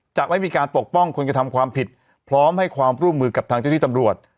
จะไม่มีการปกป้องคนกระทำความผิดพร้อมให้ความร่วมมือกับทางเจ้าที่ตำรวจ